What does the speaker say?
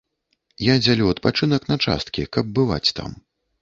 Я дзялю адпачынак на часткі, каб бываць там.